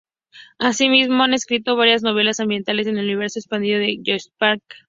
Asimismo, ha escrito varias novelas ambientadas en el Universo Expandido de Star Wars.